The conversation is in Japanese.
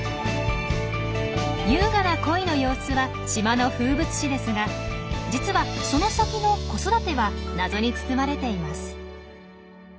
優雅な恋の様子は島の風物詩ですが実はその先の子育ては謎に包まれています。